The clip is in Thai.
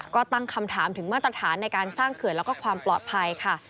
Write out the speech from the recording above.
ก็ตั้งคำถามถึงมาตรฐานในการสร้างเขื่อนแล้วก็ความปลอดภัยค่ะ